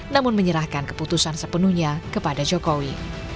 namun menyerahkan keputusan sepenuhnya kepada jokowi